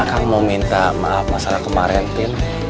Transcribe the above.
akang mau minta maaf masalah kemaren tin